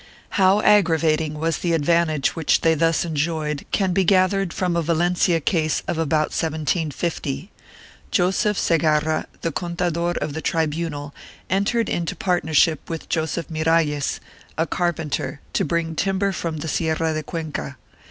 1 How aggravating was the advantage which they thus enjoyed can be gathered from a Valencia case of about 1750. Joseph Segarra, the contador of the tribunal, entered into partnership with Joseph Miralles, a carpenter, to bring timber from the Sierra de Cuenca.